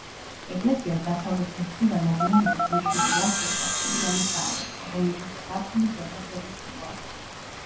ეკლესიას დასავლეთის მხრიდან მოგვიანებით მიდგმული აქვს ორსართულიანი სამრეკლო, რომლის ზედა სართული ქვედაზე ვიწროა.